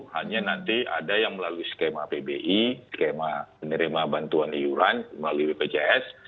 hanya nanti ada yang melalui skema pbi skema penerima bantuan iuran melalui bpjs